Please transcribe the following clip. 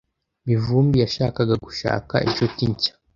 Mivumbi yashakaga gushaka inshuti nshya.